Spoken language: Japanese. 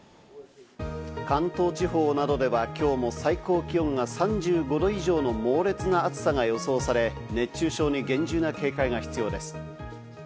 関東地方などでは、きょうも最高気温が３５度以上の猛烈な暑さが予想され、熱中症に厳重な警戒が必要です。